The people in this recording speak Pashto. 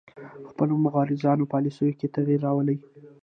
خپلو مغرضانه پالیسیو کې تغیر راولي